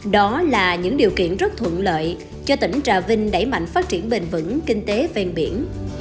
đó là những điều kiện rất thuận lợi cho tỉnh trà vinh đẩy mạnh phát triển bền vững kinh tế ven biển